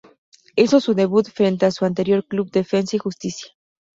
Hizo su debut frente a su anterior club Defensa y Justicia.